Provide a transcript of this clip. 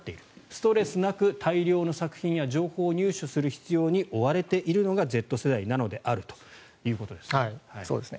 ストレスなく大量の作品や情報を入手する必要に追われているのがＺ世代なのであるということです。